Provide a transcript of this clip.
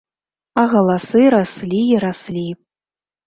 А галасы раслі і раслі.